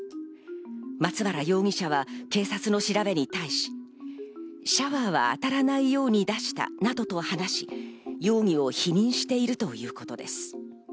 松原容疑者は警察の調べに対し、シャワーは当たらないように出したなどと話し、容疑を否認しているということです。